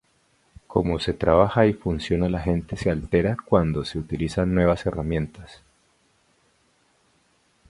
Cómo se trabaja y funciona la gente se altera cuando se utilizan nuevas herramientas.